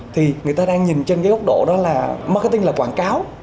thì người ta đang nhìn trên cái góc độ đó là marketing là quảng cáo